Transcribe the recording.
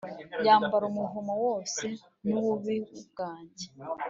Yambara umuvumo wose n'ububi bwanjye